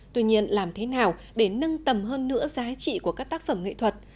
tuy nhiên làm thế nào để nâng tầm hơn nữa giá trị của các tác phẩm nghệ thuật